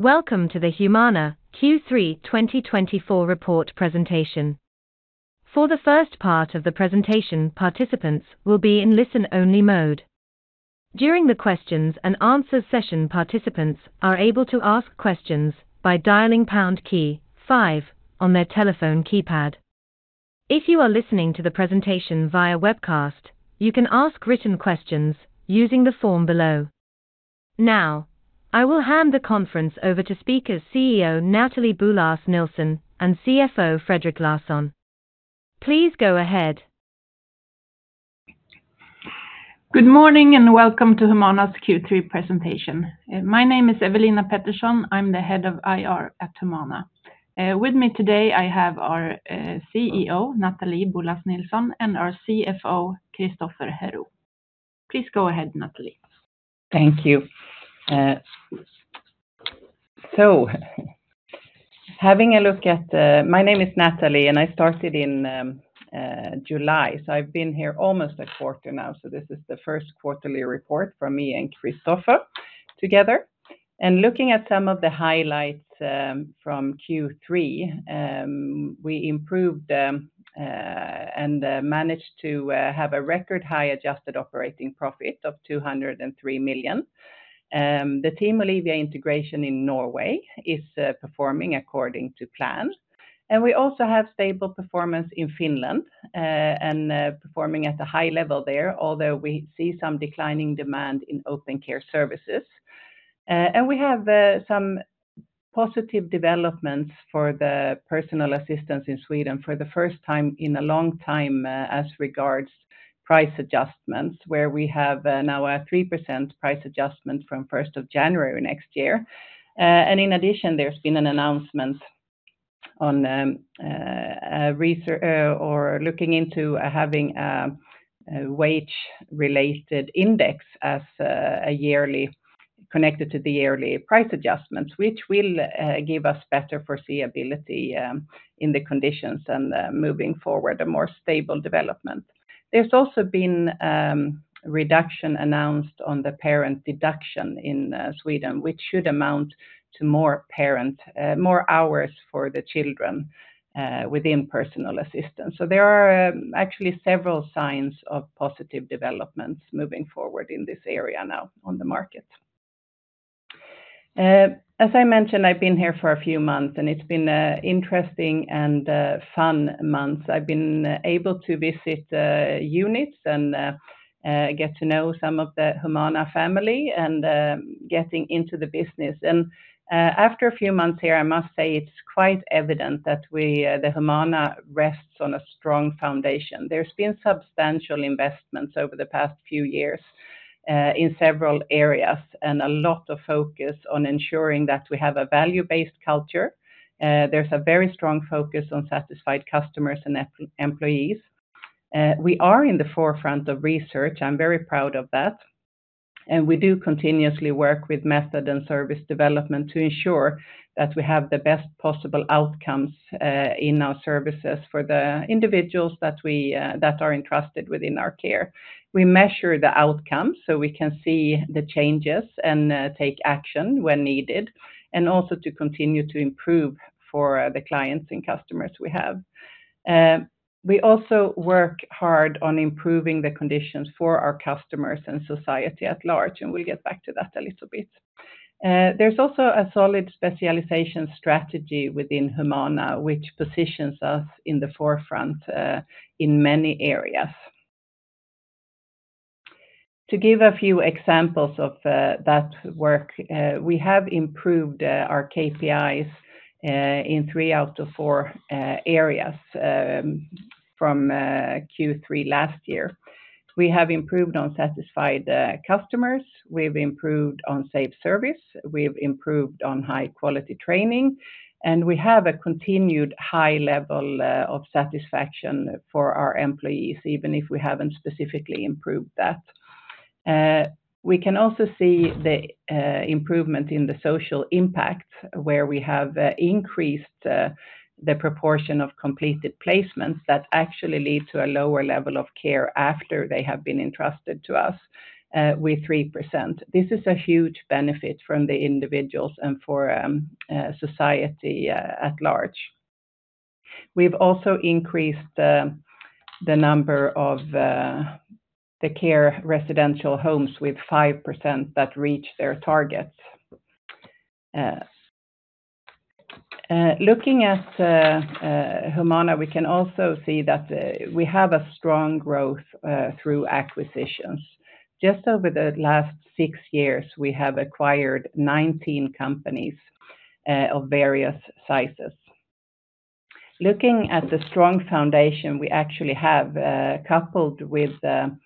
Welcome to the Humana Q3 2024 report presentation. For the first part of the presentation, participants will be in listen-only mode. During the questions and answers session, participants are able to ask questions by dialing pound key five on their telephone keypad. If you are listening to the presentation via webcast, you can ask written questions using the form below. Now, I will hand the conference over to speakers, CEO Nathalie Boulas Nilsson, and CFO, Christoffer Herou. Please go ahead. Good morning, and welcome to Humana's Q3 presentation. My name is Ewelina Pettersson. I'm the Head of IR at Humana. With me today, I have our CEO, Nathalie Boulas Nilsson, and our CFO, Christoffer Herou. Please go ahead, Nathalie. Thank you. So having a look at... My name is Nathalie, and I started in July. So I've been here almost a quarter now, so this is the first quarterly report from me and Christoffer together. And looking at some of the highlights from Q3, we improved and managed to have a record-high adjusted operating profit of 203 million. The Team Olivia integration in Norway is performing according to plan, and we also have stable performance in Finland and performing at a high level there, although we see some declining demand in Open Care services. And we have some positive developments for the Personal Assistance in Sweden for the first time in a long time as regards price adjustments, where we have now a 3% price adjustment from first of January next year. And in addition, there's been an announcement on or looking into having a wage-related index as a yearly connected to the yearly price adjustments, which will give us better foreseeability in the conditions and moving forward, a more stable development. There's also been a reduction announced on the parent deduction in Sweden, which should amount to more hours for the children within Personal Assistance. So there are actually several signs of positive developments moving forward in this area now on the market. As I mentioned, I've been here for a few months, and it's been an interesting and fun months. I've been able to visit units and get to know some of the Humana family and getting into the business. After a few months here, I must say it's quite evident that we, that Humana rests on a strong foundation. There's been substantial investments over the past few years in several areas, and a lot of focus on ensuring that we have a value-based culture. There's a very strong focus on satisfied customers and employees. We are in the forefront of research. I'm very proud of that, and we do continuously work with method and service development to ensure that we have the best possible outcomes in our services for the individuals that we are entrusted within our care. We measure the outcomes, so we can see the changes and take action when needed, and also to continue to improve for the clients and customers we have. We also work hard on improving the conditions for our customers and society at large, and we'll get back to that a little bit. There's also a solid specialization strategy within Humana, which positions us in the forefront in many areas. To give a few examples of that work, we have improved our KPIs in three out of four areas from Q3 last year. We have improved on satisfied customers, we've improved on safe service, we've improved on high-quality training, and we have a continued high level of satisfaction for our employees, even if we haven't specifically improved that. We can also see the improvement in the social impact, where we have increased the proportion of completed placements that actually lead to a lower level of care after they have been entrusted to us with 3%. This is a huge benefit from the individuals and for society at large. We've also increased the number of the care residential homes with 5% that reach their targets. Looking at Humana, we can also see that we have a strong growth through acquisitions. Just over the last six years, we have acquired 19 companies of various sizes. Looking at the strong foundation we actually have, coupled with the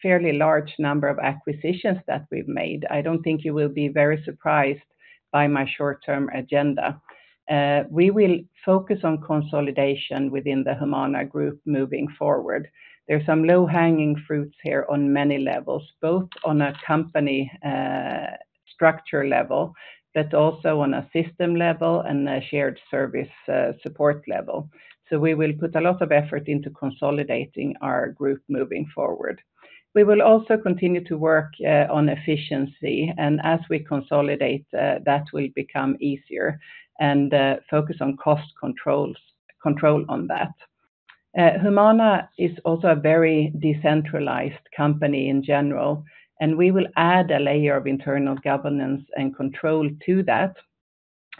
fairly large number of acquisitions that we've made, I don't think you will be very surprised by my short-term agenda. We will focus on consolidation within the Humana Group moving forward. There are some low-hanging fruits here on many levels, both on a company structure level, but also on a system level and a shared service support level. We will put a lot of effort into consolidating our group moving forward.... We will also continue to work on efficiency, and as we consolidate, that will become easier, and focus on cost control on that. Humana is also a very decentralized company in general, and we will add a layer of internal governance and control to that,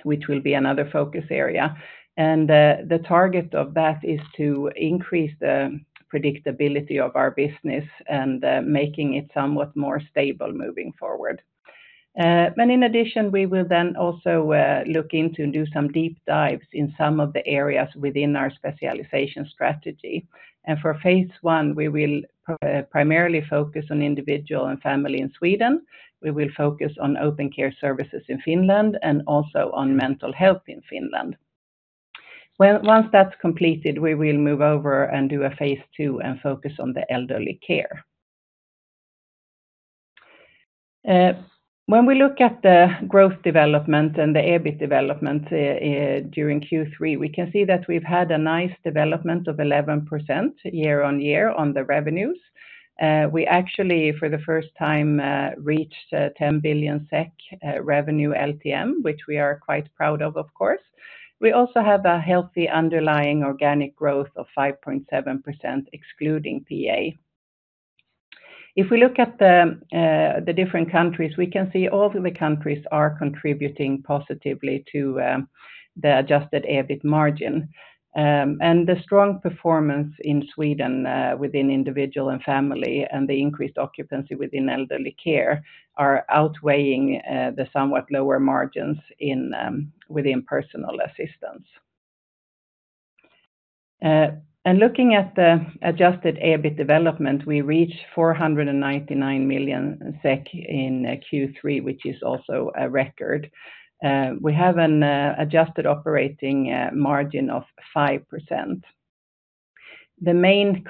which will be another focus area. The target of that is to increase the predictability of our business and making it somewhat more stable moving forward. In addition, we will then also look into and do some deep dives in some of the areas within our specialization strategy. For phase I, we will primarily focus on Individual and Family in Sweden. We will focus on Open Care services in Finland, and also on mental health in Finland. Once that's completed, we will move over and do a phase II and focus on the Elderly Care. When we look at the growth development and the EBIT development during Q3, we can see that we've had a nice development of 11% year on year on the revenues. We actually, for the first time, reached a 10 billion SEK revenue LTM, which we are quite proud of, of course. We also have a healthy underlying organic growth of 5.7%, excluding PA. If we look at the different countries, we can see all the countries are contributing positively to the adjusted EBIT margin, and the strong performance in Sweden within Individual and Family, and the increased occupancy within Elderly Care, are outweighing the somewhat lower margins within personal assistance. Looking at the adjusted EBIT development, we reached 499 million SEK in Q3, which is also a record. We have an adjusted operating margin of 5%. The main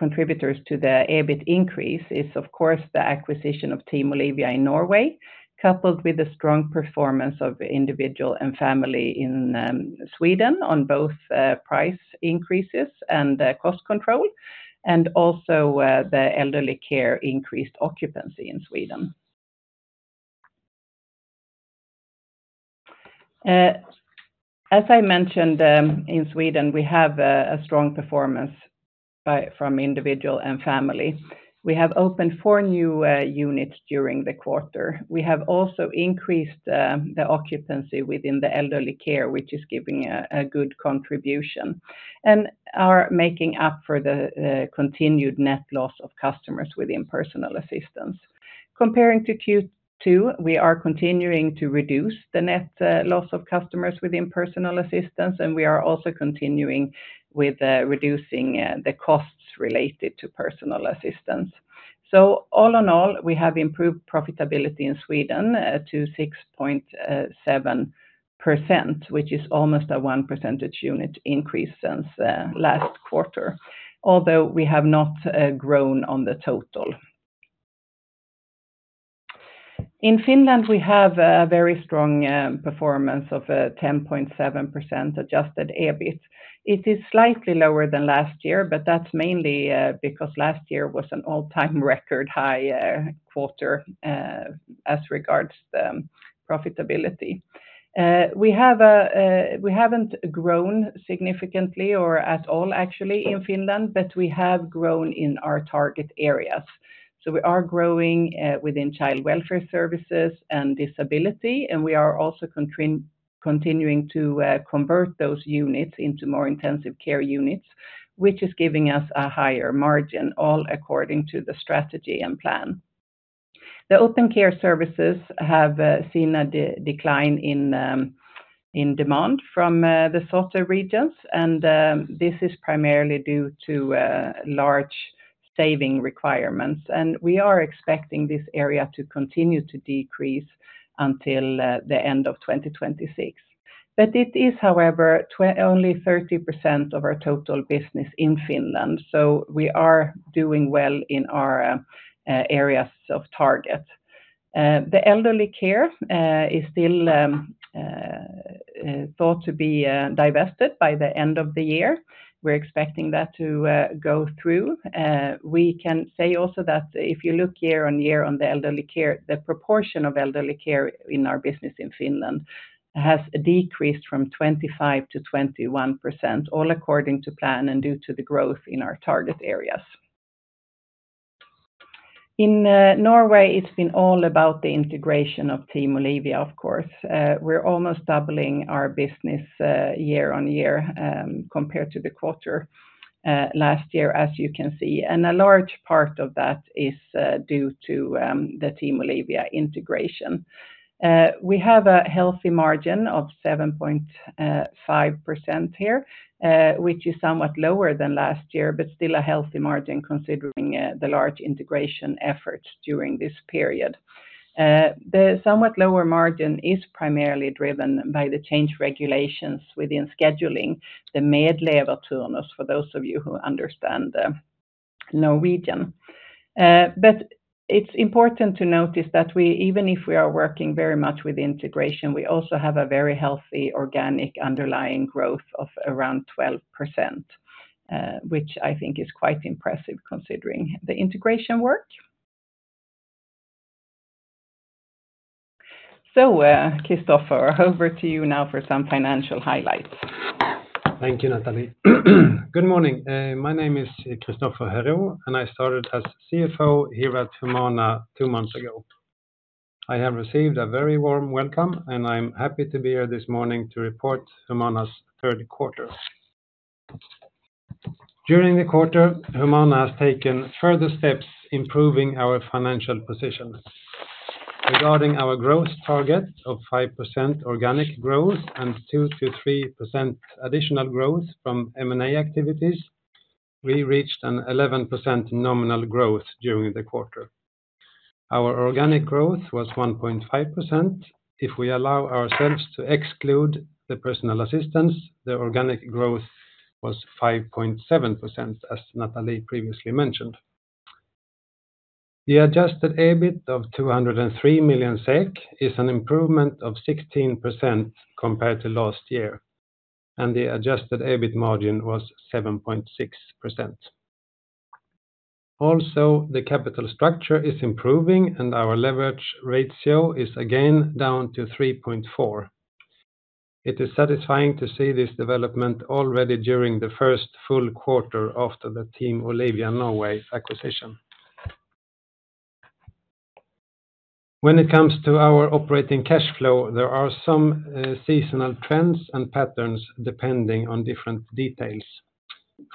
contributors to the EBIT increase is, of course, the acquisition of Team Olivia in Norway, coupled with the strong performance of Individual and Family in Sweden, on both price increases and cost control, and also the elderly care increased occupancy in Sweden. As I mentioned, in Sweden, we have a strong performance from Individual and Family. We have opened four new units during the quarter. We have also increased the occupancy within the elderly care, which is giving a good contribution, and are making up for the continued net loss of customers within personal assistance. Comparing to Q2, we are continuing to reduce the net loss of customers within personal assistance, and we are also continuing with reducing the costs related to personal assistance. So all in all, we have improved profitability in Sweden to 6.7%, which is almost a one percentage unit increase since last quarter, although we have not grown on the total. In Finland, we have a very strong performance of 10.7% adjusted EBIT. It is slightly lower than last year, but that's mainly because last year was an all-time record high quarter as regards the profitability. We haven't grown significantly or at all, actually, in Finland, but we have grown in our target areas. So we are growing within child welfare services and disability, and we are also continuing to convert those units into more intensive care units, which is giving us a higher margin, all according to the strategy and plan. The Open Care services have seen a decline in demand from the Sote Regions, and this is primarily due to large saving requirements. And we are expecting this area to continue to decrease until the end of 2026. But it is, however, only 30% of our total business in Finland, so we are doing well in our areas of target. The Elderly Care is still thought to be divested by the end of the year. We're expecting that to go through. We can say also that if you look year on year on the Elderly Care, the proportion of Elderly Care in our business in Finland has decreased from 25% to 21%, all according to plan and due to the growth in our target areas. In Norway, it's been all about the integration of Team Olivia, of course. We're almost doubling our business year on year, compared to the quarter last year, as you can see. And a large part of that is due to the Team Olivia integration. We have a healthy margin of 7.5% here, which is somewhat lower than last year, but still a healthy margin, considering the large integration efforts during this period. The somewhat lower margin is primarily driven by the change in regulations within scheduling, the Medleverturnus, for those of you who understand Norwegian. It's important to notice that we, even if we are working very much with integration, we also have a very healthy organic underlying growth of around 12%, which I think is quite impressive considering the integration work. So, Christoffer, over to you now for some financial highlights. Thank you, Nathalie. Good morning. My name is Christoffer Herou, and I started as CFO here at Humana two months ago. I have received a very warm welcome, and I'm happy to be here this morning to report Humana's third quarter. During the quarter, Humana has taken further steps improving our financial position. Regarding our growth target of 5% organic growth and 2%-3% additional growth from M&A activities, we reached an 11% nominal growth during the quarter. Our organic growth was 1.5%. If we allow ourselves to exclude the personal assistance, the organic growth was 5.7%, as Nathalie previously mentioned. The adjusted EBIT of 203 million SEK is an improvement of 16% compared to last year, and the adjusted EBIT margin was 7.6%. Also, the capital structure is improving, and our leverage ratio is again down to three point four. It is satisfying to see this development already during the first full quarter after the Team Olivia Norway acquisition. When it comes to our operating cash flow, there are some seasonal trends and patterns depending on different details.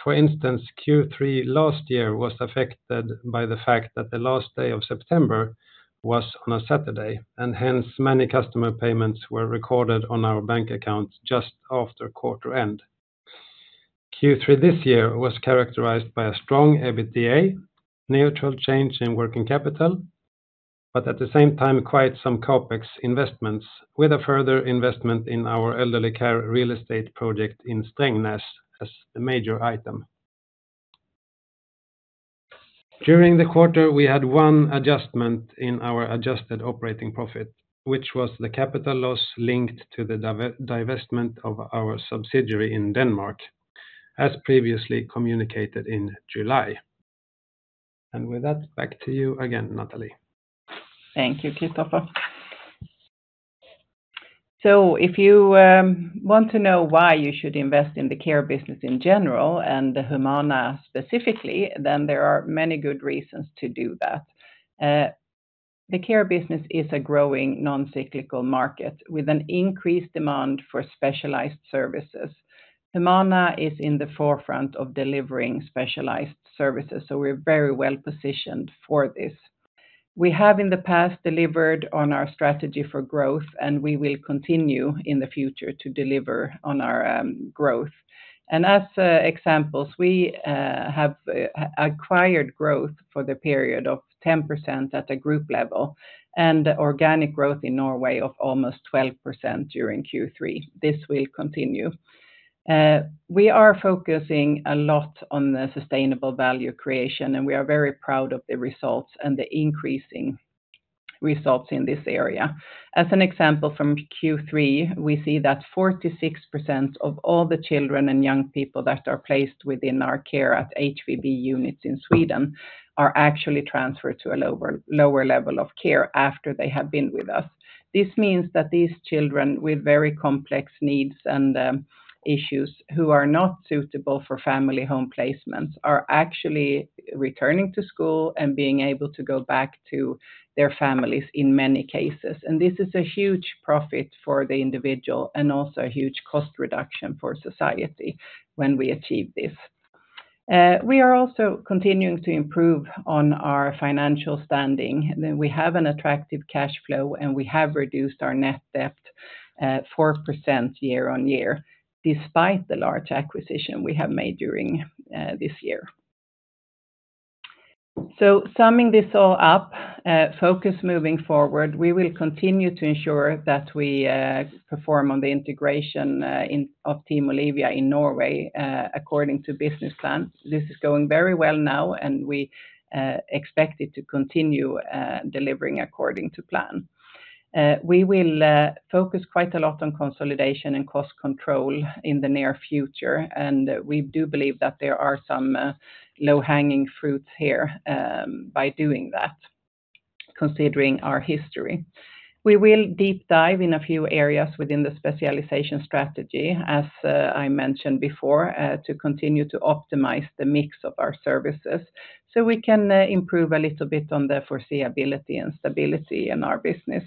For instance, Q3 last year was affected by the fact that the last day of September was on a Saturday, and hence, many customer payments were recorded on our bank accounts just after quarter end. Q3 this year was characterized by a strong EBITDA, neutral change in working capital, but at the same time, quite some CapEx investments, with a further investment in our Elderly Care real estate project in Strängnäs as a major item. During the quarter, we had one adjustment in our adjusted operating profit, which was the capital loss linked to the divestment of our subsidiary in Denmark, as previously communicated in July, and with that, back to you again, Nathalie. Thank you, Christoffer. So if you want to know why you should invest in the care business in general and the Humana specifically, then there are many good reasons to do that. The care business is a growing non-cyclical market with an increased demand for specialized services. Humana is in the forefront of delivering specialized services, so we're very well positioned for this. We have in the past delivered on our strategy for growth, and we will continue in the future to deliver on our growth. As examples, we have acquired growth for the period of 10% at a group level and organic growth in Norway of almost 12% during Q3. This will continue. We are focusing a lot on the sustainable value creation, and we are very proud of the results and the increasing results in this area. As an example from Q3, we see that 46% of all the children and young people that are placed within our care at HVB units in Sweden are actually transferred to a lower level of care after they have been with us. This means that these children with very complex needs and issues who are not suitable for family home placements are actually returning to school and being able to go back to their families in many cases, and this is a huge profit for the individual and also a huge cost reduction for society when we achieve this. We are also continuing to improve on our financial standing, then we have an attractive cash flow, and we have reduced our net debt 4% year on year, despite the large acquisition we have made during this year. So, summing this all up, focus moving forward, we will continue to ensure that we perform on the integration of Team Olivia in Norway according to business plan. This is going very well now, and we expect it to continue delivering according to plan. We will focus quite a lot on consolidation and cost control in the near future, and we do believe that there are some low-hanging fruits here, by doing that, considering our history. We will deep dive in a few areas within the specialization strategy, as I mentioned before, to continue to optimize the mix of our services, so we can improve a little bit on the foreseeability and stability in our business,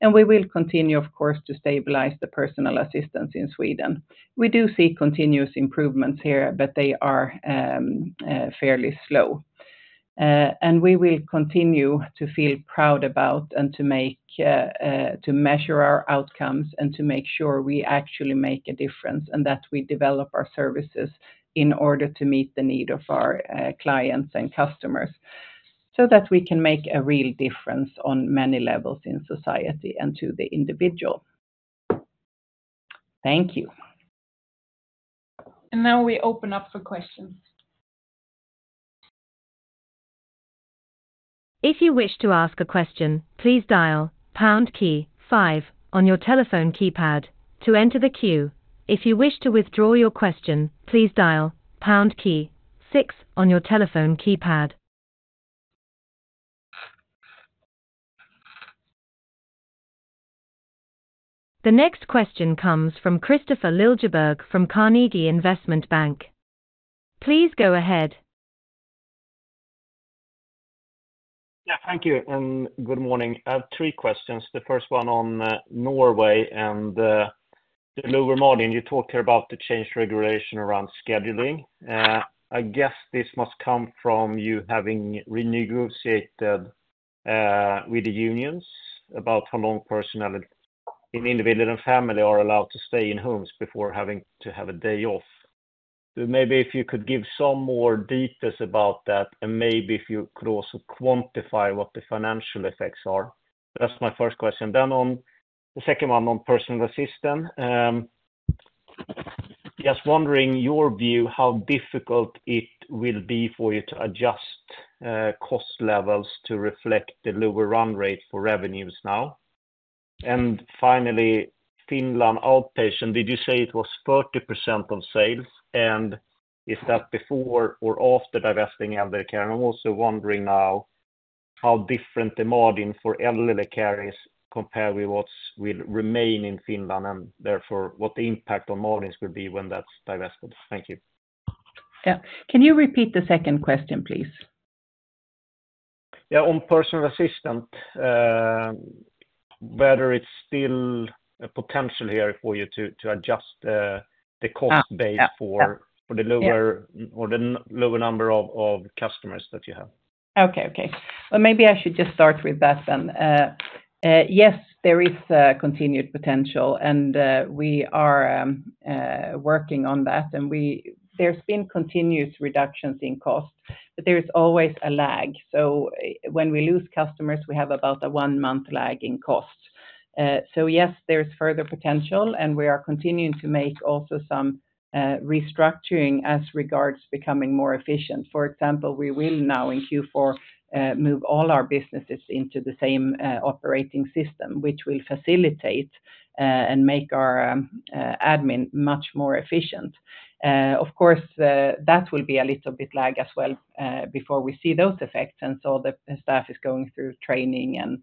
and we will continue, of course, to stabilize the personal assistance in Sweden. We do see continuous improvements here, but they are fairly slow, and we will continue to feel proud about and to measure our outcomes and to make sure we actually make a difference, and that we develop our services in order to meet the need of our clients and customers, so that we can make a real difference on many levels in society and to the individual.... Thank you. Now we open up for questions. If you wish to ask a question, please dial pound key five on your telephone keypad to enter the queue. If you wish to withdraw your question, please dial pound key six on your telephone keypad. The next question comes from Kristofer Liljeberg from Carnegie Investment Bank. Please go ahead. Yeah, thank you, and good morning. I have three questions. The first one on Norway and the lower margin. You talked about the change regulation around scheduling. I guess this must come from you having renegotiated with the unions about how long personnel in Individual and Family are allowed to stay in homes before having to have a day off. So maybe if you could give some more details about that, and maybe if you could also quantify what the financial effects are. That's my first question. Then on the second one, on personal assistance. Just wondering your view, how difficult it will be for you to adjust cost levels to reflect the lower run rate for revenues now? And finally, Finland outpatient, did you say it was 30% on sales? And is that before or after divesting Elderly Care? I'm also wondering now how different the margin for Elderly Care is compared with what will remain in Finland, and therefore, what the impact on margins will be when that's divested. Thank you. Yeah. Can you repeat the second question, please? Yeah, on personal assistance, whether it's still a potential here for you to adjust the cost base- Ah, yeah for the lower Yeah - or the lower number of customers that you have. Okay. Okay. Well, maybe I should just start with that then. Yes, there is a continued potential, and we are working on that, and there's been continuous reductions in costs, but there is always a lag. So when we lose customers, we have about a one-month lag in costs. So yes, there is further potential, and we are continuing to make also some restructuring as regards becoming more efficient. For example, we will now in Q4 move all our businesses into the same operating system, which will facilitate and make our admin much more efficient. Of course, that will be a little bit lag as well before we see those effects, and so the staff is going through training and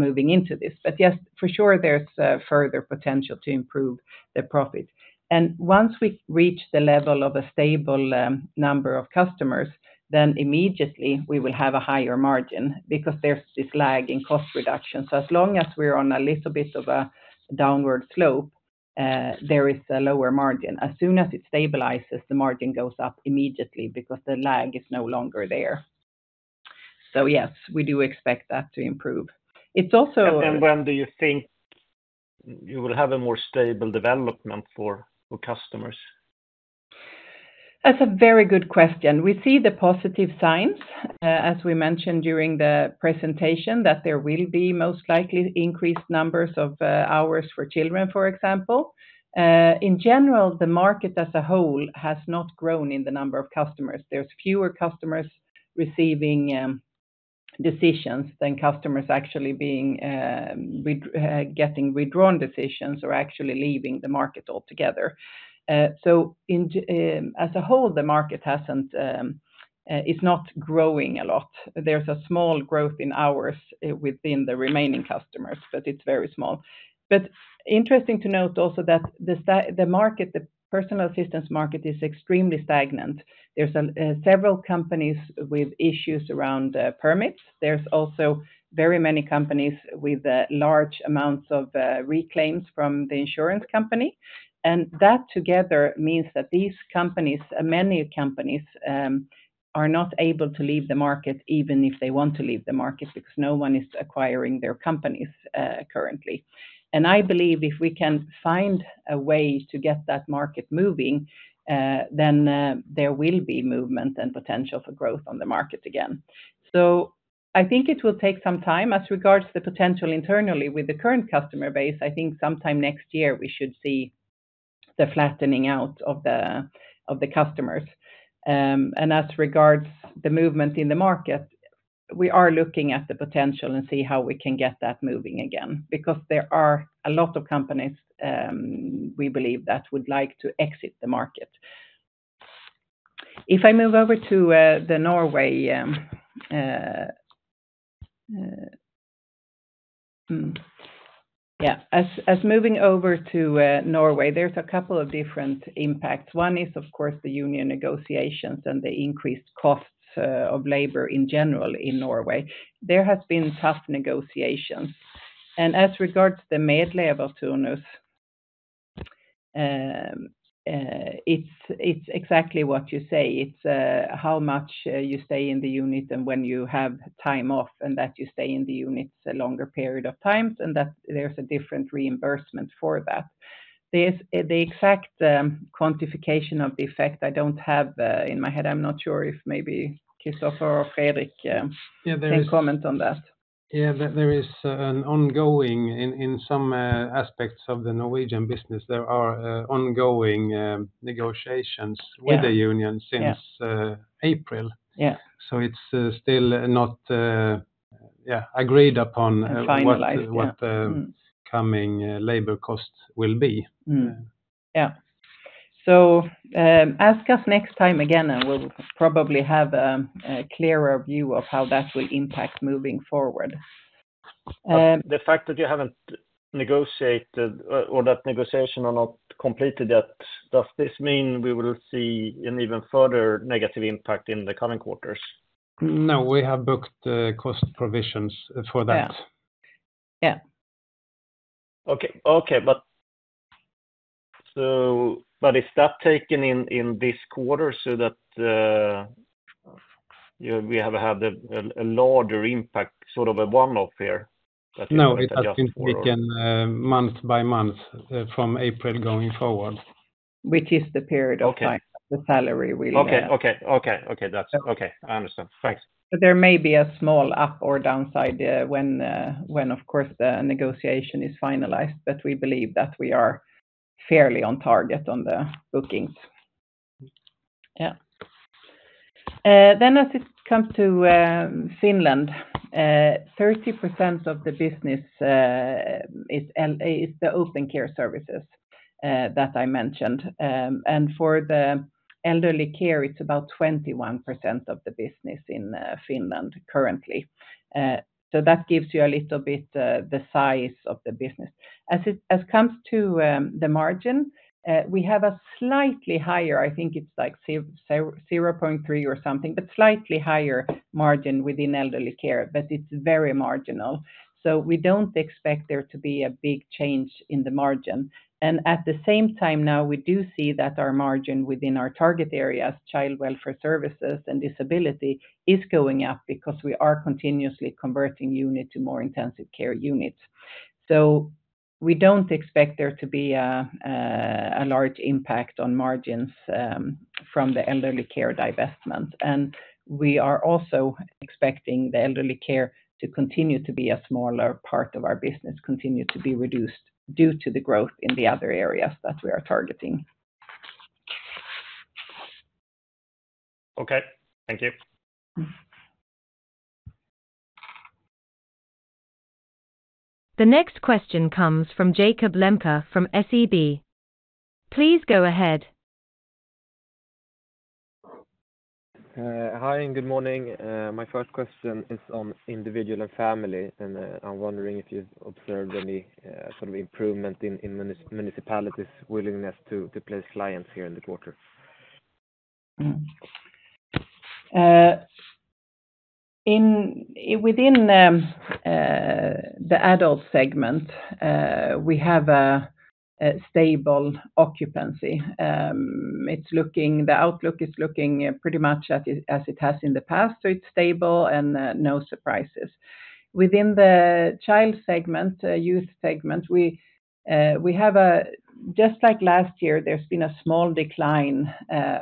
moving into this. But yes, for sure, there's further potential to improve the profit. And once we reach the level of a stable number of customers, then immediately we will have a higher margin because there's this lag in cost reduction. So as long as we're on a little bit of a downward slope, there is a lower margin. As soon as it stabilizes, the margin goes up immediately because the lag is no longer there. So yes, we do expect that to improve. It's also- When do you think you will have a more stable development for your customers? That's a very good question. We see the positive signs, as we mentioned during the presentation, that there will be most likely increased numbers of hours for children, for example. In general, the market as a whole has not grown in the number of customers. There's fewer customers receiving decisions than customers actually being with getting withdrawn decisions or actually leaving the market altogether. So as a whole, the market hasn't is not growing a lot. There's a small growth in hours within the remaining customers, but it's very small. But interesting to note also that the market, the personal assistance market, is extremely stagnant. There's several companies with issues around permits. There's also very many companies with large amounts of reclaims from the insurance company. That together means that these companies, many companies, are not able to leave the market, even if they want to leave the market, because no one is acquiring their companies, currently. I believe if we can find a way to get that market moving, then there will be movement and potential for growth on the market again. I think it will take some time. As regards to the potential internally with the current customer base, I think sometime next year, we should see the flattening out of the customers. As regards the movement in the market, we are looking at the potential and see how we can get that moving again, because there are a lot of companies, we believe, that would like to exit the market. If I move over to Norway... Yeah, as moving over to Norway, there's a couple of different impacts. One is, of course, the union negotiations and the increased costs of labor in general in Norway. There has been tough negotiations. And as regards to the Medleverturnus, it's exactly what you say. It's how much you stay in the unit and when you have time off, and that you stay in the units a longer period of time, and that there's a different reimbursement for that. The exact quantification of the effect I don't have in my head. I'm not sure if maybe Christoffer or Fredrik. Yeah, there is- Can comment on that. ... Yeah, but there is an ongoing integration in some aspects of the Norwegian business, there are ongoing negotiations- Yeah. with the union since Yeah... April. Yeah. So it's still not, yeah, agreed upon- Finalized, yeah. what the coming labor cost will be. Yeah. So, ask us next time again, and we'll probably have a clearer view of how that will impact moving forward. The fact that you haven't negotiated or that negotiation are not completed yet, does this mean we will see an even further negative impact in the coming quarters? No, we have booked the cost provisions for that. Yeah. Okay. But is that taken in this quarter so that, you know, we have had a larger impact, sort of a one-off here? No, it has been taken month by month from April going forward. Which is the period of time- Okay. -the salary will, Okay, that's okay. I understand. Thanks. But there may be a small up or downside, when, of course, the negotiation is finalized. But we believe that we are fairly on target on the bookings. Yeah. Then as it comes to Finland, 30% of the business is the Open Care services that I mentioned. And for the Elderly Care, it's about 21% of the business in Finland currently. So that gives you a little bit the size of the business. As it comes to the margin, we have a slightly higher. I think it's like 0.3 or something, but slightly higher margin within Elderly Care, but it's very marginal. So we don't expect there to be a big change in the margin. And at the same time now, we do see that our margin within our target areas, child welfare services and disability, is going up because we are continuously converting unit to more intensive care units. So we don't expect there to be a large impact on margins from the Elderly Care divestment. And we are also expecting the Elderly Care to continue to be a smaller part of our business, continue to be reduced due to the growth in the other areas that we are targeting. Okay, thank you The next question comes from Jakob Lembke from SEB. Please go ahead. Hi, and good morning. My first question is on Individual and Family, and I'm wondering if you've observed any sort of improvement in municipalities' willingness to place clients here in the quarter? Within the adult segment, we have a stable occupancy. The outlook is looking pretty much as it has in the past, so it's stable and no surprises. Within the child segment, youth segment, we have just like last year, there's been a small decline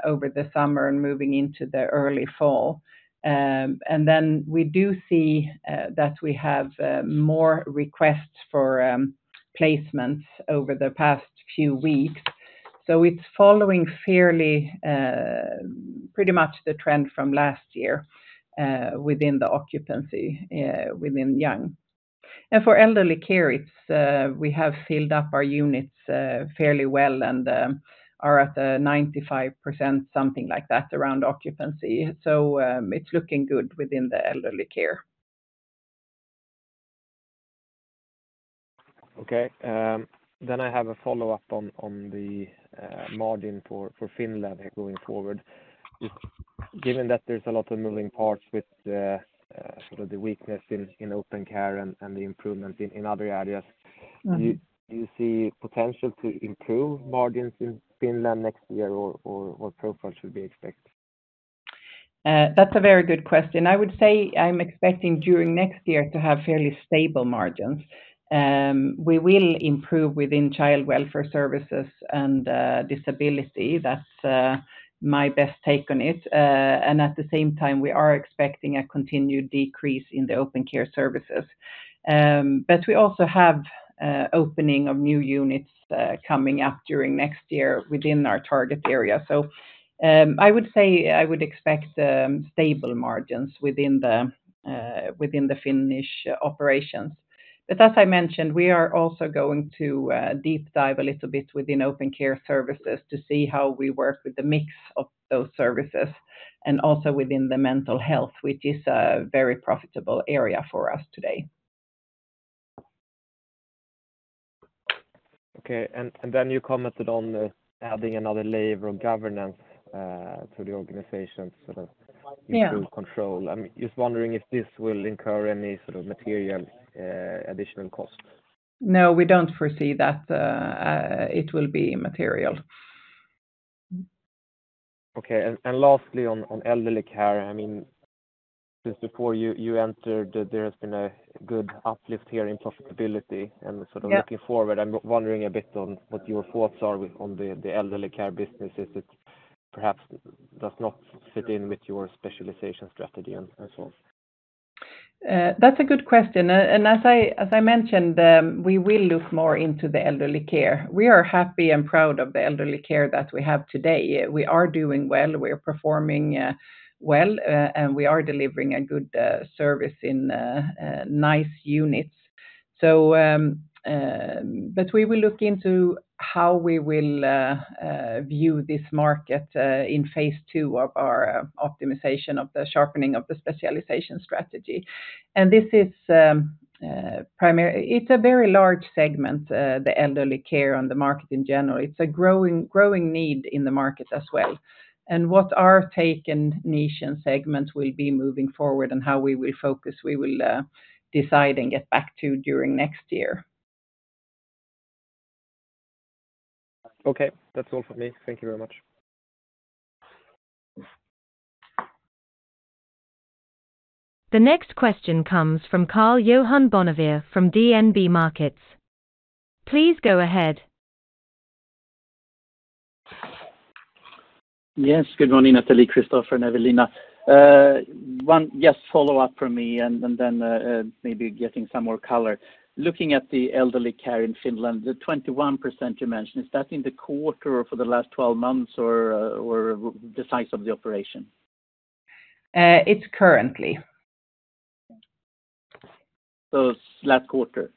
over the summer and moving into the early fall. And then we do see that we have more requests for placements over the past few weeks. It's following fairly pretty much the trend from last year within the occupancy within young. And for Elderly Care, we have filled up our units fairly well and are at 95%, something like that, around occupancy. It's looking good within the Elderly Care. Okay, then I have a follow-up on the margin for Finland going forward. Just given that there's a lot of moving parts with the sort of weakness in Open Care and the improvement in other areas- Do you see potential to improve margins in Finland next year, or what profile should we expect? That's a very good question. I would say I'm expecting during next year to have fairly stable margins. We will improve within child welfare services and disability. That's my best take on it. And at the same time, we are expecting a continued decrease in the Open Care services. But we also have opening of new units coming up during next year within our target area. So, I would say I would expect stable margins within the within the Finnish operations. But as I mentioned, we are also going to deep dive a little bit within Open Care services to see how we work with the mix of those services, and also within the mental health, which is a very profitable area for us today. Okay. And then you commented on adding another layer of governance to the organization, sort of- Yeah Improve control. I'm just wondering if this will incur any sort of material additional cost? No, we don't foresee that it will be material. Okay. And lastly, on Elderly Care, I mean, just before you entered, there has been a good uplift here in profitability. Yeah. Sort of looking forward, I'm wondering a bit on what your thoughts are on the Elderly Care businesses that- ... perhaps does not fit in with your specialization strategy and so on? That's a good question. And as I mentioned, we will look more into the Elderly Care. We are happy and proud of the Elderly Care that we have today. We are doing well, we are performing well, and we are delivering a good service in nice units. So, but we will look into how we will view this market in phase II of our optimization of the sharpening of the specialization strategy. And this is primary. It's a very large segment, the Elderly Care on the market in general. It's a growing need in the market as well. And what our take and niche and segments will be moving forward and how we will focus, we will decide and get back to during next year. Okay. That's all for me. Thank you very much. The next question comes from Karl-Johan Bonnevier from DNB Markets. Please go ahead. Yes, good morning, Nathalie, Christopher, and Ewelina. One just follow up for me, and then maybe getting some more color. Looking at the Elderly Care in Finland, the 21% you mentioned, is that in the quarter or for the last twelve months or the size of the operation? It's currently. So last quarter?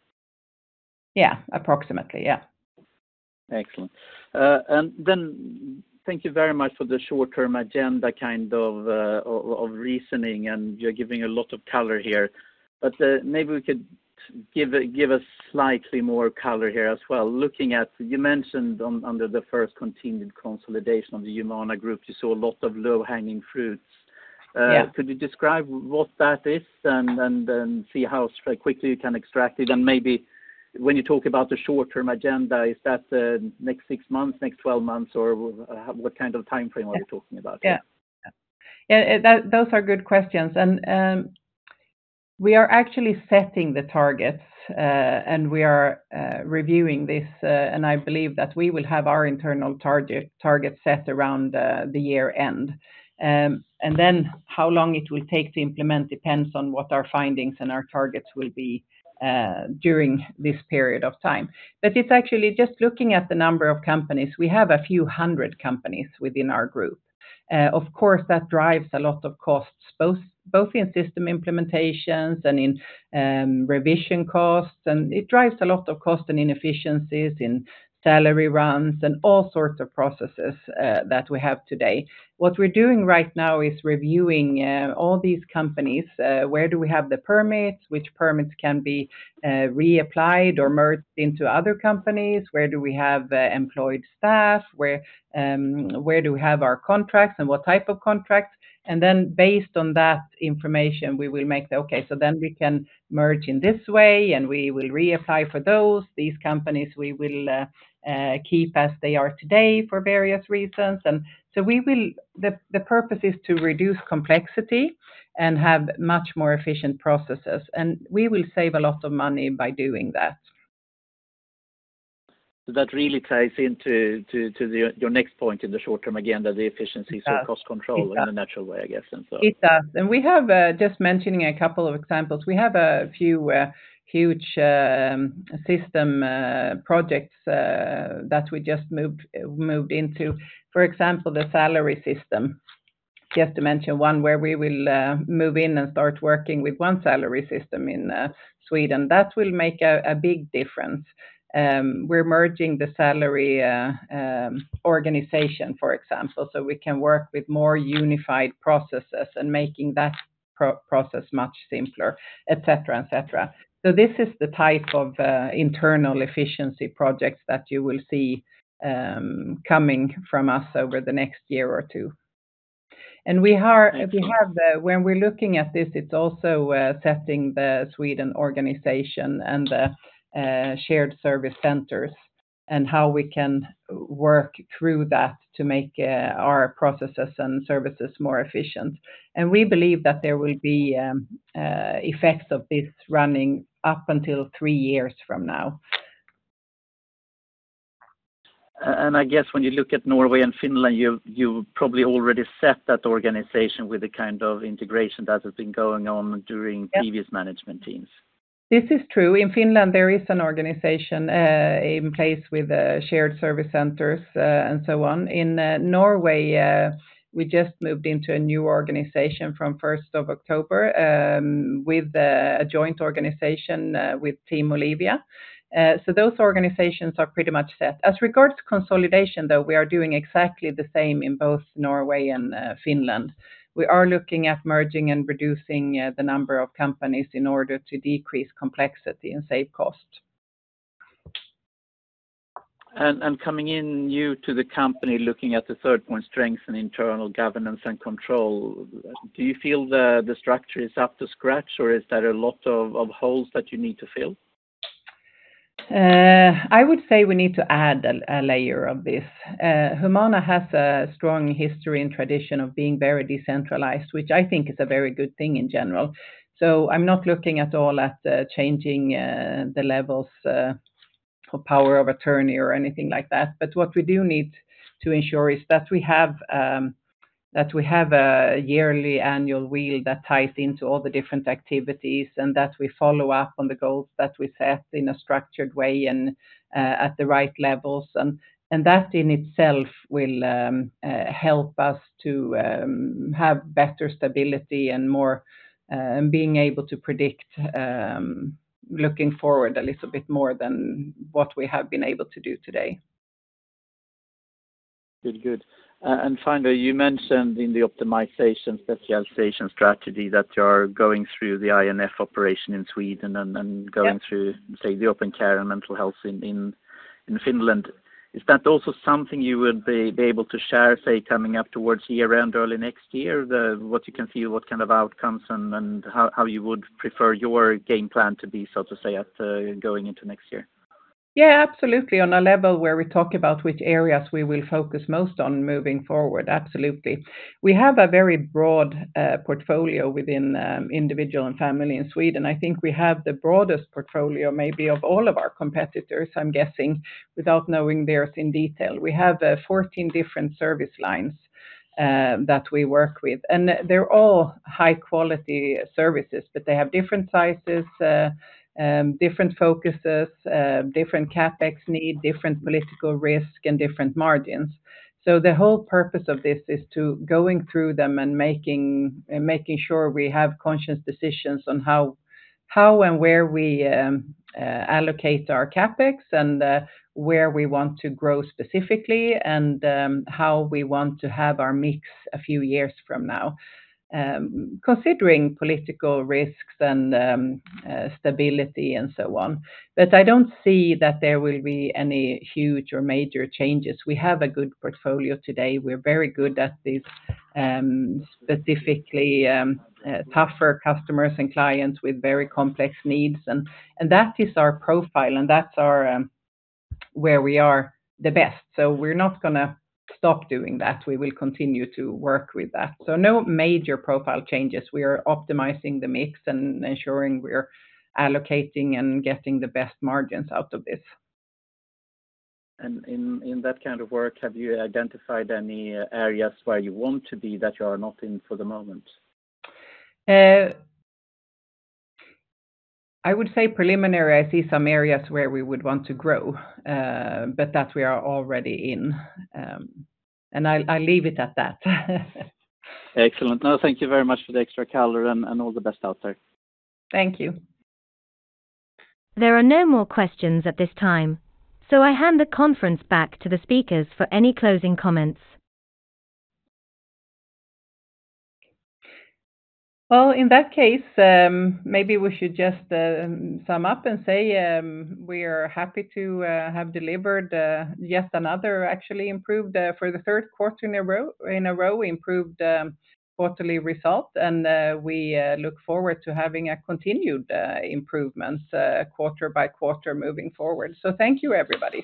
Yeah, approximately, yeah. Excellent. And then thank you very much for the short-term agenda kind of of reasoning, and you're giving a lot of color here. But, maybe we could give us slightly more color here as well. Looking at. You mentioned under the first continued consolidation of the Humana Group, you saw a lot of low-hanging fruits. Yeah. Could you describe what that is and see how quickly you can extract it? And maybe when you talk about the short-term agenda, is that next six months, next twelve months, or what kind of time frame are you talking about? Yeah. Yeah, that, those are good questions, and we are actually setting the targets, and we are reviewing this, and I believe that we will have our internal target set around the year end, and then how long it will take to implement depends on what our findings and our targets will be during this period of time, but it's actually just looking at the number of companies. We have a few hundred companies within our group. Of course, that drives a lot of costs, both in system implementations and in revision costs, and it drives a lot of cost and inefficiencies in salary runs and all sorts of processes that we have today. What we're doing right now is reviewing all these companies. Where do we have the permits? Which permits can be reapplied or merged into other companies? Where do we have employed staff? Where, where do we have our contracts, and what type of contracts? Then based on that information, we will make the, okay, so then we can merge in this way, and we will reapply for those. These companies we will keep as they are today for various reasons. So we will, the purpose is to reduce complexity and have much more efficient processes, and we will save a lot of money by doing that. That really ties into your next point in the short term, again, that the efficiencies- It does... are cost control in a natural way, I guess, and so on. It does. And we have just mentioning a couple of examples. We have a few huge system projects that we just moved into. For example, the salary system, just to mention one, where we will move in and start working with one salary system in Sweden. That will make a big difference. We're merging the salary organization, for example, so we can work with more unified processes and making that process much simpler, et cetera. So this is the type of internal efficiency projects that you will see coming from us over the next year or two. And we are- Thank you. When we're looking at this, it's also setting the Sweden organization and the shared service centers, and how we can work through that to make our processes and services more efficient. And we believe that there will be effects of this running up until three years from now. And I guess when you look at Norway and Finland, you've probably already set that organization with the kind of integration that has been going on during- Yeah... previous management teams. This is true. In Finland, there is an organization in place with shared service centers and so on. In Norway, we just moved into a new organization from 1st of October with a joint organization with Team Olivia. So those organizations are pretty much set. As regards to consolidation, though, we are doing exactly the same in both Norway and Finland. We are looking at merging and reducing the number of companies in order to decrease complexity and save cost. Coming in new to the company, looking at the third point, strength and internal governance and control, do you feel the structure is up to scratch, or is there a lot of holes that you need to fill? I would say we need to add a layer of this. Humana has a strong history and tradition of being very decentralized, which I think is a very good thing in general. So I'm not looking at all at changing or power of attorney or anything like that. But what we do need to ensure is that we have a yearly annual wheel that ties into all the different activities, and that we follow up on the goals that we set in a structured way and at the right levels. And that in itself will help us to have better stability and more and being able to predict looking forward a little bit more than what we have been able to do today. Good, good. And finally, you mentioned in the optimization specialization strategy that you are going through the I&F operation in Sweden and. Yeah -going through, say, the Open Care and mental health in Finland. Is that also something you would be able to share, say, coming up towards year-end, early next year? What you can see, what kind of outcomes and how you would prefer your game plan to be, so to say, going into next year. Yeah, absolutely. On a level where we talk about which areas we will focus most on moving forward, absolutely. We have a very broad portfolio within Individual and Family in Sweden. I think we have the broadest portfolio maybe of all of our competitors, I'm guessing, without knowing theirs in detail. We have 14 different service lines that we work with, and they're all high quality services, but they have different sizes, different focuses, different CapEx need, different political risk, and different margins. So the whole purpose of this is to going through them and making sure we have conscious decisions on how and where we allocate our CapEx and where we want to grow specifically, and how we want to have our mix a few years from now. Considering political risks and stability, and so on. But I don't see that there will be any huge or major changes. We have a good portfolio today. We're very good at these, specifically, tougher customers and clients with very complex needs, and that is our profile, and that's our where we are the best. So we're not gonna stop doing that. We will continue to work with that. So no major profile changes. We are optimizing the mix and ensuring we're allocating and getting the best margins out of this. In that kind of work, have you identified any areas where you want to be that you are not in for the moment? I would say preliminary, I see some areas where we would want to grow, but that we are already in. And I'll leave it at that. Excellent. Now, thank you very much for the extra color, and all the best out there. Thank you. There are no more questions at this time, so I hand the conference back to the speakers for any closing comments. In that case, maybe we should just sum up and say we are happy to have delivered yet another actually improved quarterly result for the third quarter in a row, and we look forward to having continued improvements quarter by quarter moving forward, so thank you, everybody.